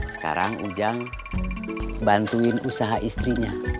sekarang ujang bantuin usaha istrinya